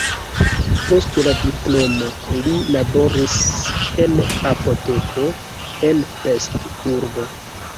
Post la diplomo li laboris en apoteko en Pest (urbo).